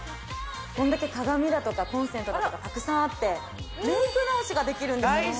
こんだけ鏡だとか、コンセントとかがたくさんあって、メーク直しができるんですよ。